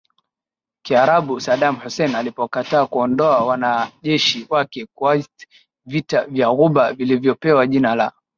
Kiarabu Saddam Hussein alipokataa kuondoa wanajeshi wake Kuwait Vita vya Ghuba vilivyopewa jina la